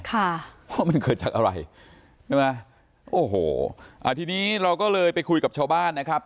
ค่ะว่ามันเกิดจากอะไรใช่ไหมโอ้โหอ่าทีนี้เราก็เลยไปคุยกับชาวบ้านนะครับ